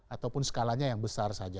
ataupun skalanya yang besar saja